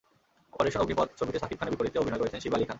Operation Agnipath ছবিতে শাকিব খানের বিপরীতে অভিনয় করছেন শিবা আলী খান।